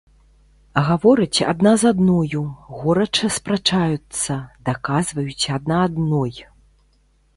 Гавораць адна з другою, горача спрачаюцца, даказваюць адна адной.